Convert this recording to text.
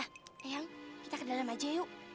eh eyang kita ke dalam aja yuk